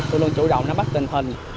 tôi luôn chủ động nắm bắt tình hình